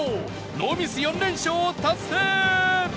ノーミス４連勝を達成！